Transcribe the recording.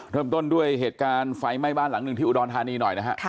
เริ่มต้นด้วยเหตุการณ์ไฟไหม้บ้านหลังหนึ่งที่อุดรธานีหน่อยนะฮะ